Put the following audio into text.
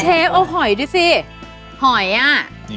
เชฟเอาหอยดิสิ